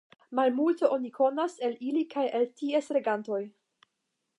Malmulte oni konas el ili kaj el ties regantoj.